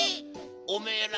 おめえら